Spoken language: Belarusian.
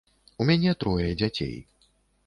У мяне трое дзяцей.